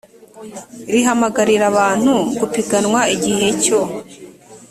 rihamagarira abantu gupiganwa igihe cyo